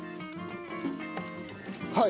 はい。